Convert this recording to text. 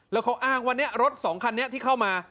แล้วเขาอ้างว่ารถสองคันนี้ที่เข้ามา